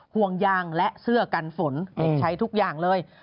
ห่วงยางและเสื้อกันฝนเด็กใช้ทุกอย่างเลย